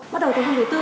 bắt đầu từ hôm thứ tư